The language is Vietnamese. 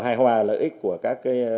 hài hòa lợi ích của các